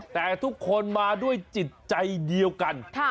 แต่ทุกคนมาด้วยจิตใจเดียวกัน